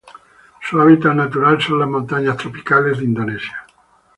Su hábitat natural son las montañas tropicales de Indonesia.